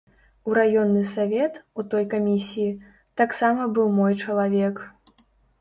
У раённы савет, у той камісіі, таксама быў мой чалавек.